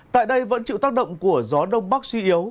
tại đây vẫn chịu tác động của gió đông bắc suy yếu